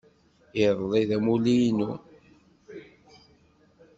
Iḍelli d amulli-inu.